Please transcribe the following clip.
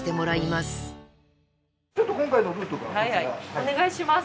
お願いします。